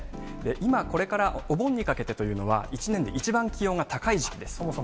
今、これからお盆にかけてというのは、一年で一番気温が高い時期です。